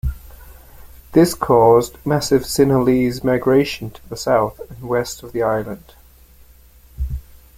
This caused massive Sinhalese migration to the south and west of the island.